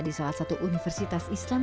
di salah satu universitas islam